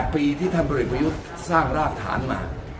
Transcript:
ปีที่ท่านประยุทธ์สร้างรากฐานมา